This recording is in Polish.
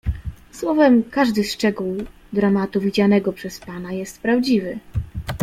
"Słowem, każdy szczegół dramatu, widzianego przez pana, jest prawdziwy."